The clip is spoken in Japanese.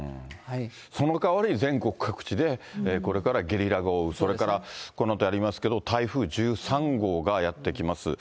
その代わり全国各地でこれからゲリラ豪雨、それからこのあとやりますけれども、台風１３号がやって来ます。